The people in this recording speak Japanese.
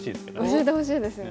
教えてほしいですよね。